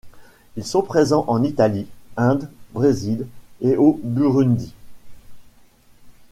Ils sont présents en Italie, Inde, Brésil et au Burundi.